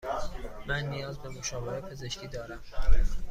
من نیاز به مشاوره پزشکی دارم.